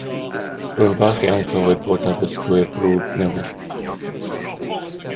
Rwy'n falch iawn clywed bod 'na ddysgwyr brwd newydd